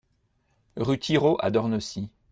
Rue Thirault à Dornecy